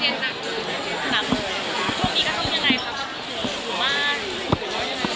อย่างหนักเลย